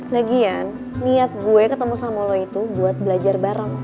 nagian niat gue ketemu sama lo itu buat belajar bareng